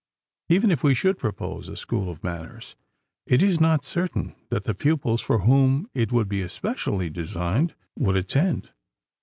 Even if we should propose a school of manners, it is not certain that the pupils for whom it would be especially designed would attend.